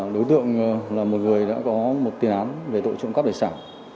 đối tượng là một người đã có một tiền án về tội trộm cắp tài sản